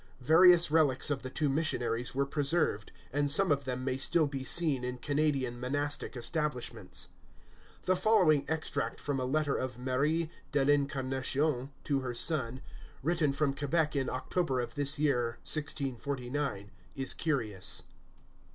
Various relics of the two missionaries were preserved; and some of them may still be seen in Canadian monastic establishments. The following extract from a letter of Marie de l'Incarnation to her son, written from Quebec in October of this year, 1649, is curious.